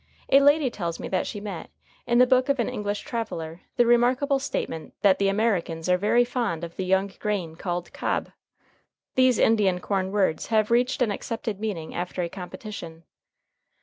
A lady tells me that she met, in the book of an English traveller, the remarkable statement that "the Americans are very fond of the young grain called cob." These Indian corn words have reached an accepted meaning after a competition.